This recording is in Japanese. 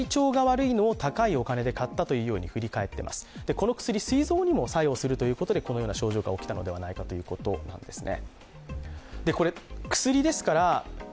この薬すい臓にも作用するということでこのような症状が起きたのではないかということなんですね。